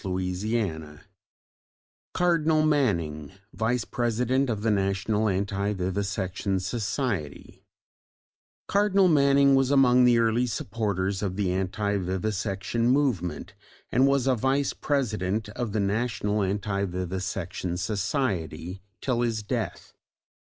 CHAPTER III: CARDINAL MANNING VICE PRESIDENT OF THE NATIONAL ANTI VIVISECTION SOCIETY Cardinal Manning was among the early supporters of the Anti Vivisection movement, and was a Vice President of the National Anti Vivisection Society till his death.